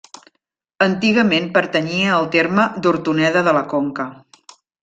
Antigament pertanyia al terme d'Hortoneda de la Conca.